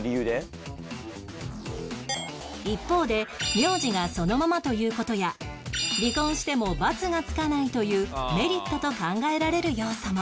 一方で名字がそのままという事や離婚してもバツがつかないというメリットと考えられる要素も